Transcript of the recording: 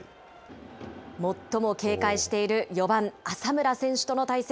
最も警戒している４番浅村選手との対戦。